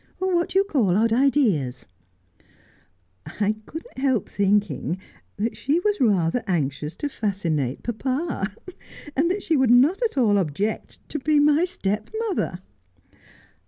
' What do you call odd ideas V ' I could not help thinking that she was rather anxious to fascinate papa, and that she would not at all object to be my stepmother.'